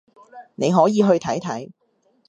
你可以去睇睇